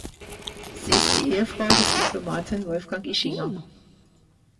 Sie ist die Ehefrau des Diplomaten Wolfgang Ischinger.